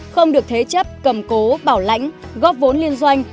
không được thế chấp cầm cố bảo lãnh góp vốn liên doanh